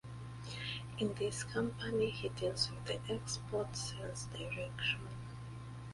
In this company he deals with the export sales direction.